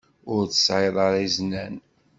Ur tesɛiḍ ara iznan.